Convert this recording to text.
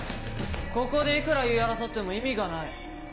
ここでいくら言い争っても意味がない。